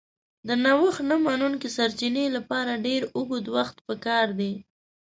د نوښت نه منونکي سرچینې لپاره ډېر اوږد وخت پکار دی.